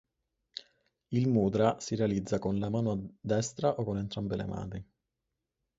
Il mudra si realizza con la mano destra o con entrambe le mani.